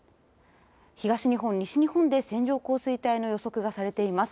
東日本や西日本で線状降水帯の予測がされています。